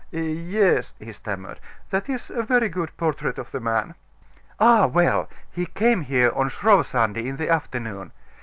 "Yes," he stammered, "that is a very good portrait of the man." "Ah, well! he came here on Shrove Sunday, in the afternoon.